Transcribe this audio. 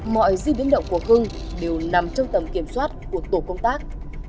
mọi di biến động của hưng đều nằm trong tầm kiểm soát của tổ công tác